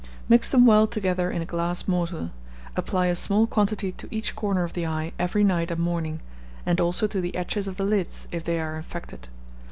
Mix them well together in a glass mortar; apply a small quantity to each corner of the eye every night and morning, and also to the edges of the lids, if they are affected.